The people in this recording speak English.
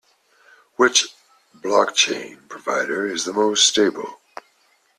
Which blockchain provider is the most stable?